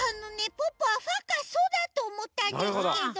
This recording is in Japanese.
ポッポはファかソだとおもったんですけども。